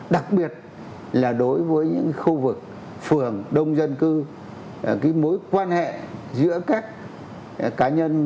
đặc biệt là đối với những khu vực phường đông dân cư mối quan hệ giữa các cá nhân